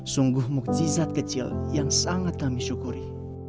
sungguh mukjizat kecil yang sangat kami syukuri